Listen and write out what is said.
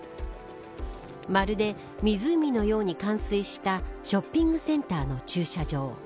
まるで湖のように冠水したショッピングセンターの駐車場。